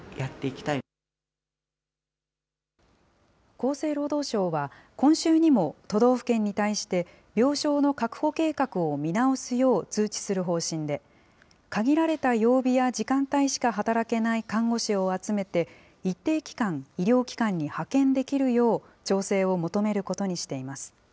厚生労働省は、今週にも都道府県に対して、病床の確保計画を見直すよう通知する方針で、限られた曜日や時間帯しか働けない看護師を集めて一定期間、医療機関に派遣できるよう、調整を求めることにしています。